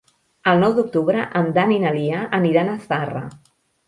El nou d'octubre en Dan i na Lia aniran a Zarra.